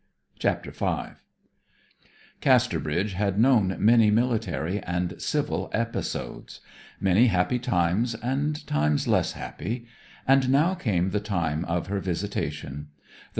CHAPTER V Casterbridge had known many military and civil episodes; many happy times, and times less happy; and now came the time of her visitation.